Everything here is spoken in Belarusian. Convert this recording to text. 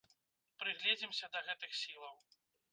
Прыгледзімся да гэтых сілаў.